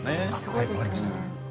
はい終わりました。